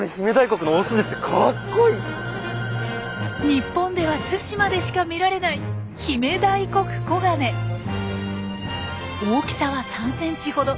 日本では対馬でしか見られない大きさは３センチほど。